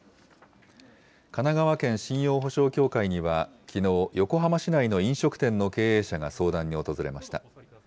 神奈川県信用保証協会には、きのう、横浜市内の飲食店の経営者が相談に訪れました。